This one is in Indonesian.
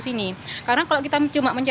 silverstone untuk hukuman